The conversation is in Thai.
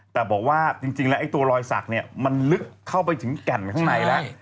แต่บอกว่าจริงแล้วไอ้ตัวรอยสักเนี่ยมันลึกเข้าไปถึงแก่นข้างในแล้ว